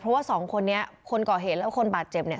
เพราะว่าสองคนนี้คนก่อเหตุแล้วคนบาดเจ็บเนี่ย